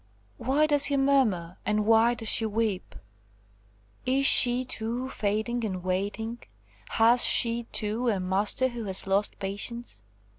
Why does he murmur? and, Why does she weep? Is she, too, fading and waiting? Has she, too, a master who has lost patience?"